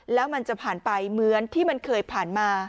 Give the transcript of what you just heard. แล้วมันจะผ่านไปเหมือนที่มันเคยผ่านมา